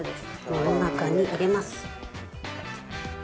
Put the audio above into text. この中に入れます。